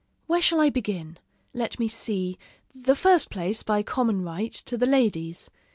Where shall I begin? Let me see The first place, by common right, to the ladies.